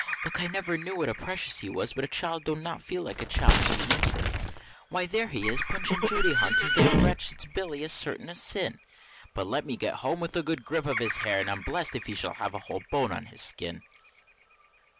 Lauk! I never knew what a precious he was but a child don't not feel like a child till you miss him. Why, there he is! Punch and Judy hunting, the young wretch, it's that Billy as sartin as sin! But let me get him home, with a good grip of his hair, and I'm blest if he shall have a whole bone in his skin!